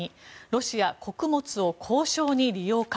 ロシア穀物を交渉に利用か。